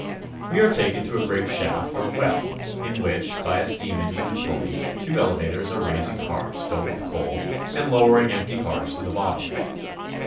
We are taken to a great shaft or well in which, by a steam engine and pulleys, two elevators are raising cars filled with coal and lowering empty cars to the bottom.